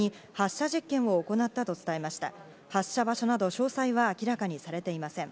発射場所など詳細は明らかにされていません。